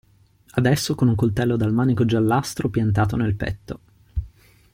Adesso con un coltello dal manico giallastro piantato nel petto.